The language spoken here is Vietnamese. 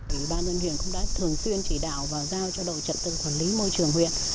ủy ban dân huyện cũng đã thường xuyên chỉ đạo và giao cho đội trận tư quản lý môi trường huyện